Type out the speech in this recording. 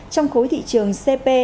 trong khối thị trường cp